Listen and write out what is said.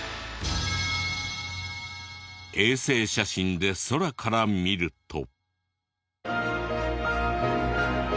衛星写真で空から見ると。